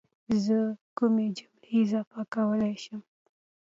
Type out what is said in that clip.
زه کومې جملې اضافه کولی شم